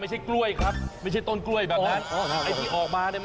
เอาใช่ก่อนไงเราต้องหาคนมาคอยแนะนำเราไหม